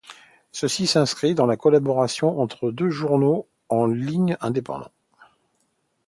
Ceci s'inscrit dans la collaboration entre les deux journaux en ligne indépendant.